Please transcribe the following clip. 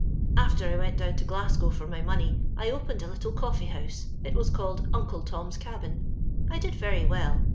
"AfU T I went down to Glasgow for my money I opened a little coffee house; it was called * Uuflo Tom's Cabin.' I did very well.